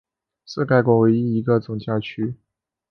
是该国唯一一个总教区。